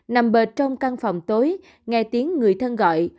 nằm bên trong căn phòng tối nghe tiếng người thân gọi